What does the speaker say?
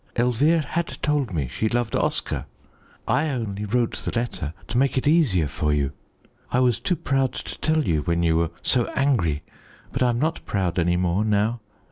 Elvire had told me she loved Oscar. I only wrote the letter to make it easier for you. I was too proud to tell you when you were so angry, but I am not proud any more now.